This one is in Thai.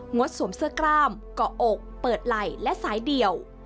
ดสวมเสื้อกล้ามเกาะอกเปิดไหล่และสายเดี่ยว